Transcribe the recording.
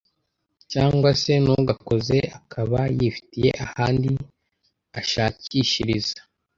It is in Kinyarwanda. cg se n’ugakoze akaba yifitiye ahandi ashakishiriza